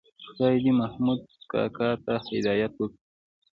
خدای دې محمود کاکا ته هدایت وکړي.